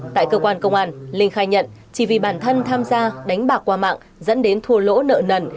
tại cơ quan công an linh khai nhận chỉ vì bản thân tham gia đánh bạc qua mạng dẫn đến thua lỗ nợ nần